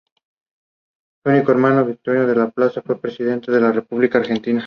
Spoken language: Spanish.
Mientras tanto, su hijo Conrado arribó a Tiro desde Constantinopla.